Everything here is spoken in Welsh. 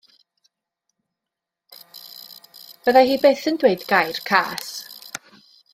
Fyddai hi byth yn dweud gair cas.